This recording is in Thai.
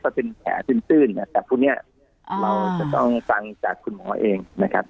ก็เป็นแขนตื่นแต่พรุ่งนี้เราจะต้องฟังจากคุณหมอเองนะครับ